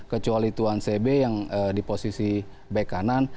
kecuali tuan cb yang di posisi back kanan